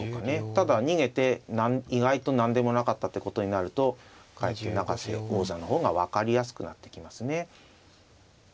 ただ逃げて意外と何でもなかったということになるとかえって永瀬王座の方が分かりやすくなってきますね。